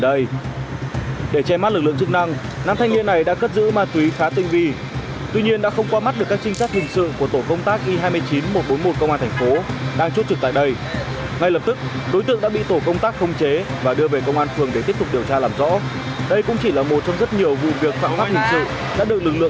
đây cũng chỉ là một trong rất nhiều vụ việc phạm pháp hình sự đã được lực lượng liên ngành một trăm bốn mươi một xử lý trong thời gian qua